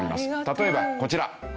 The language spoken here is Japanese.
例えばこちら。